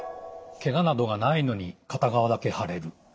ケガなどがないのに片側だけ腫れる。